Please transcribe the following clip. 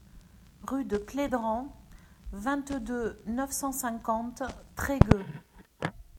Rue de Plédran, vingt-deux, neuf cent cinquante Trégueux